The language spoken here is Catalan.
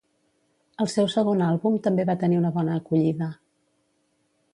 El seu segon àlbum també va tenir una bona acollida.